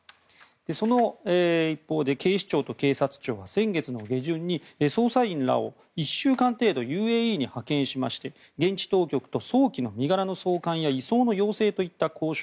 その一方で警視庁と警察庁は先月の下旬に捜査員らを１週間程度ＵＡＥに派遣しまして現地当局と早期の身柄の送還や移送の要請といった交渉